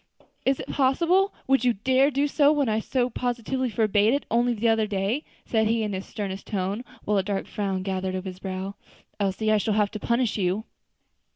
"Is it possible! Would you dare to do so when I so positively forbade it only the other day?" he said in his sternest tone, while a dark frown gathered on his brow. "Elsie, I shall have to punish you."